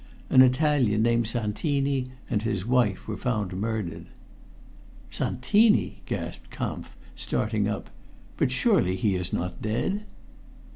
An Italian named Santini and his wife were found murdered." "Santini!" gasped Kampf, starting up. "But surely he is not dead?"